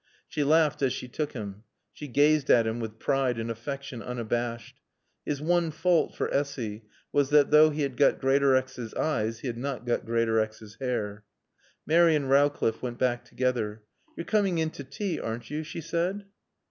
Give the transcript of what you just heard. She laughed as she took him; she gazed at him with pride and affection unabashed. His one fault, for Essy, was that, though he had got Greatorex's eyes, he had not got Greatorex's hair. Mary and Rowcliffe went back together. "You're coming in to tea, aren't you?" she said.